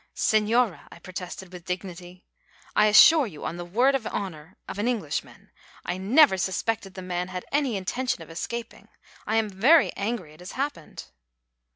"Señora," I protested, with dignity, "I assure you on the word of honour of an Englishman, I never suspected the man had any intention of escaping. I am very angry it has happened."